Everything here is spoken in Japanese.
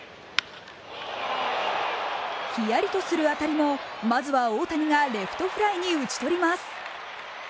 ヒヤリとする当たりも、まずは大谷がレフトフライに打ち取ります。